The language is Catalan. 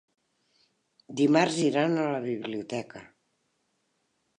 Dimarts iran a la biblioteca.